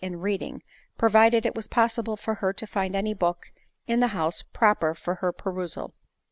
in reading, provided it was possible for her to find any book in the house proper for her perusal.